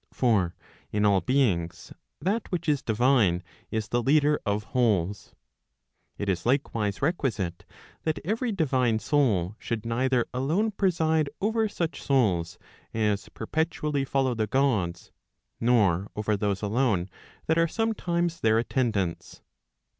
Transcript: For in all beings that which is divine, is the leader of wholes. It is likewise requisite that every divine soul should neither alone preside over such souls as perpetually follow the Gods, nor over those alone that are sometimes their attendants.